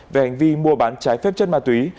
về hành vi mua bán trái phép chất ma túy